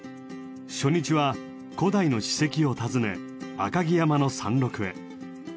初日は古代の史跡を訪ね赤城山の山麓へ。